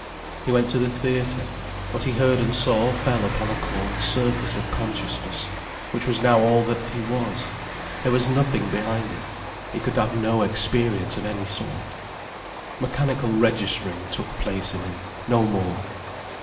He went to the theatre; what he heard and saw fell upon a cold surface of consciousness, which was now all that he was, there was nothing behind it, he could have no experience of any sort. Mechanical registering took place in him, no more.